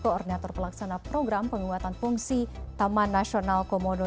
koordinator pelaksana program penguatan fungsi taman nasional komodo